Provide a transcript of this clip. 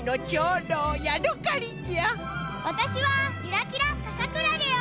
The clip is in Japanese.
わたしはキラキラかさクラゲよ！